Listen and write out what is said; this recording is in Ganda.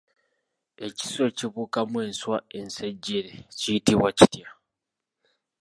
Ekiswa ekibuukamu enswa ensejjere kiyitibwa kitya?